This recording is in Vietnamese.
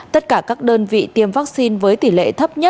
tất cả các đơn vị tiêm vaccine